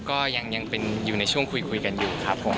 ก็ยังเป็นอยู่ในช่วงคุยกันอยู่ครับผม